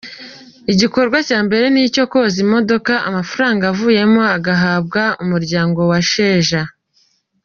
Igikorwa cya mbere ni icyo koza imodoka, amafaranga avuyemo agahabwa umuryango wa Sheja.